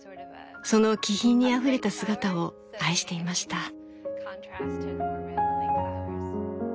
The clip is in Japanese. その気品にあふれた姿を愛していました。